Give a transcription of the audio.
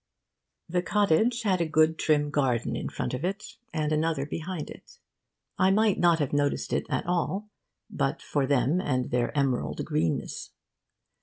The cottage had a good trim garden in front of it, and another behind it. I might not have noticed it at all but for them and their emerald greenness.